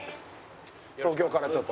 東京からちょっと。